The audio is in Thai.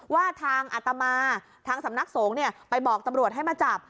ว่าทางอัตมาทางสำนักสงฆ์ไปบอกตำรวจให้มาจับ